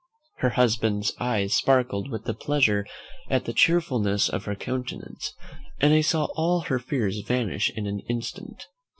Her husband's eyes sparkled with pleasure at the cheerfulness of her countenance; and I saw all his fears vanish in an instant.